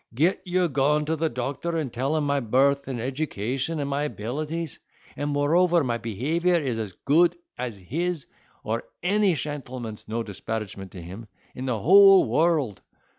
Get you gone to the doctor, and tell him my birth, and education, and my abilities; and moreover, my behaviour is as good as his, or any shentleman's (no disparagement to him,) in the whole world.